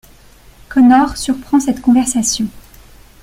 Connor surprend cette conversation.